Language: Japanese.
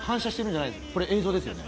これ映像ですよね？